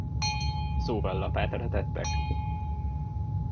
Szóval lapátra tettek?